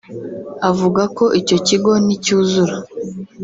Avuga ko icyo kigo nicyuzura